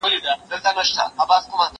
لیک وکړه